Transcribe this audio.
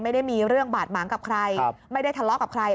ไม่ได้มีเรื่องบาดหมางกับใครไม่ได้ทะเลาะกับใคร